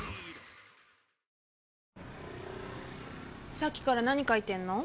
さっきから何書いてんの？